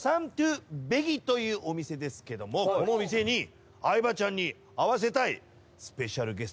というお店ですけどもこのお店に相葉ちゃんに会わせたいスペシャルゲストが待ってる。